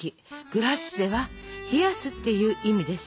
「グラッセ」は冷やすっていう意味です。